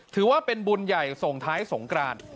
ถือว่าเป็นบุญใหญ่ส่งท้ายสงกราน